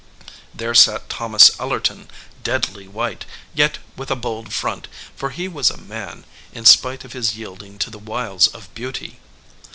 There sat Thomas Ellerton, deadly white, yet with a bold front, for he was a man in spite of his yielding to the wiles of beauty.